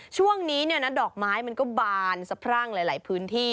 ช่วงนี้ดอกไม้มันก็บานสะพรั่งหลายพื้นที่